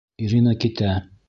Ирина китә.